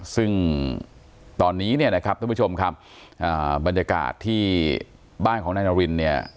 ซึ่งตอนนี้เนี่ยนะครับท่านผู้ชมครับบรรยากาศที่บ้านของนายนารินเนี่ย